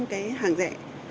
cái hàng rẻ